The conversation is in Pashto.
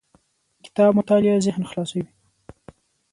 د کتاب مطالعه ذهن خلاصوي.